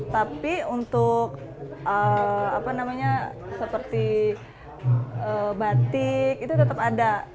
tapi untuk seperti batik itu tetap ada